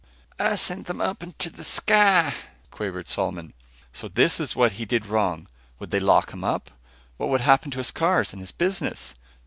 "I sent them into the sky," quavered Solomon. So this is what he did wrong. Would they lock him up? What would happen to his cars? And his business?